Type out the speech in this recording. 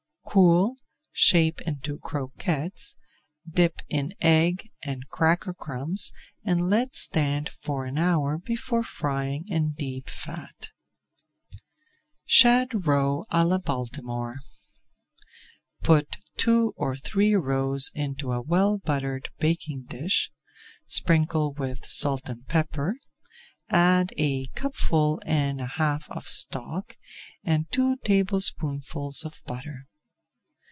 Cool, shape into croquettes, dip in egg and cracker crumbs and let stand for an hour before frying in deep fat. [Page 349] SHAD ROE À LA BALTIMORE Put two or three roes into a well buttered baking dish, sprinkle with salt and pepper, add a cupful and a half of stock, and two tablespoonfuls of butter.